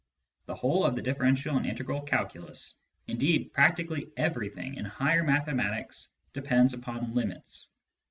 The whole of the differential and integral calculus, indeed practically everything in higher mathematics, depends upon limits.